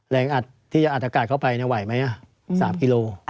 อัดที่จะอัดอากาศเข้าไปไหวไหม๓กิโล